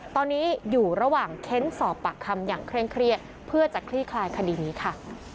ตอนนี้อยู่ระหว่างเค้นสอบปากคำอย่างเคร่งเครียดเพื่อจะคลี่คลายคดีนี้ค่ะ